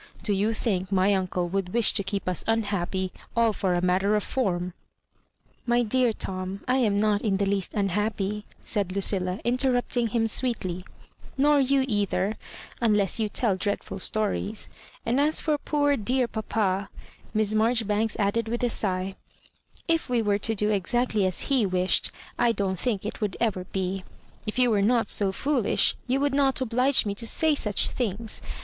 Do you think my imcle would wish to keep us unhappy all for a matter of form?" " My dear Tom, I am not in the least unhap py," said LuciUa^ interruptmg him sweetly " nor you either, unless you tell dreadful sto ries ; and as for poor, dear papa," Miss Marjori banks added witih a sigh, "if we were to do exactly as he wished I don't thmk it would ever be» If you were not so foolish you would not obUge me to say such things.